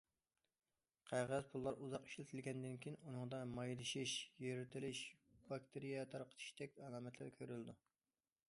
قەغەز پۇللار ئۇزاق ئىشلىتىلگەندىن كېيىن، ئۇنىڭدا مايلىشىش، يىرتىلىش، باكتېرىيە تارقىتىشتەك ئالامەتلەر كۆرۈلىدۇ.